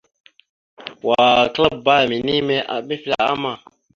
Wa klaabba minime mefle ama.